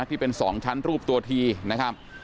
ที่เป็น๒ชั้นรูปตัวทีนะครับ